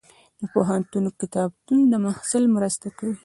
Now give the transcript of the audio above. د پوهنتون کتابتون د محصل مرسته کوي.